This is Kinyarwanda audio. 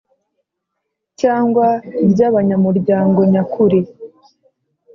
Cyangwa by anyamuryango nyakuri